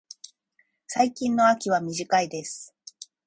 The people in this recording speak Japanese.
最近の秋は短いです。